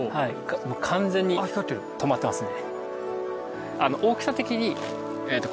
完全に止まってますね。